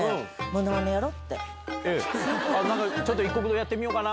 ちょっといっこく堂やってみようかな？